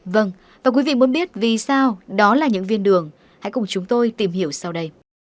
vâng và quý vị muốn biết vì sao đó là những viên đường hãy cùng chúng tôi tìm hiểu sau đây